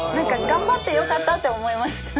頑張ってよかったって思いました。